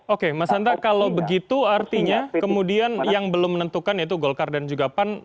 oke mas santa kalau begitu artinya kemudian yang belum menentukan yaitu golkar dan juga pan